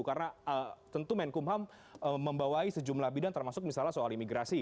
karena tentu menkumham membawai sejumlah bidang termasuk misalnya soal imigrasi